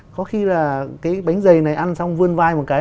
có khi là cái bánh dày này ăn xong vươn vai một cái